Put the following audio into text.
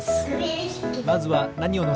まずはなにをのせる？